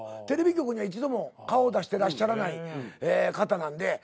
テレビ局には一度も顔を出してらっしゃらない方なんで。